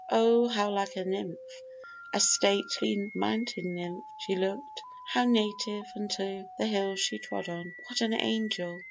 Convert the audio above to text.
O how like a nymph, A stately mountain nymph, she look'd! how native Unto the hills she trod on! What an angel!